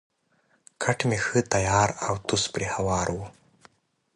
کټ مې ښه تیار او توس پرې هوار وو.